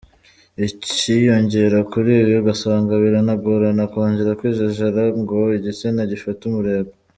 Icyiyongera kuri ibi ugasanga biranagorana kongera kwijajajara ngo igitsina gifate umurego.